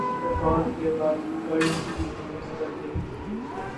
petrol کے بعد گاڑیوں کی قیمتیں بھی بڑھ گئیں